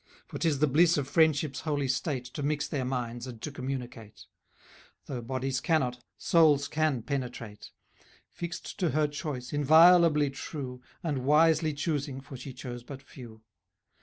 For 'tis the bliss of friendship's holy state, } To mix their minds, and to communicate; } Though bodies cannot, souls can penetrate: } Fixed to her choice, inviolably true, And wisely choosing, for she chose but few.